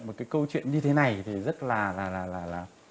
một cái câu chuyện như thế này thì rất là là là là là